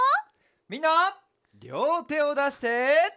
みんなりょうてをだして。